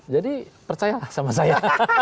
jadi percayalah sama saya